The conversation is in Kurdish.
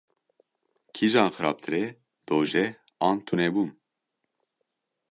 Kîjan xirabtir e, dojeh an tunebûn?